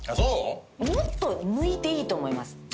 もっと抜いていいと思います。